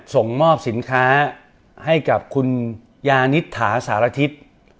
ส่งมอบสินค้าให้กับคุณยานิษฐาสารทิศ